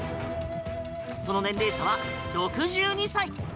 その年齢差は６２歳。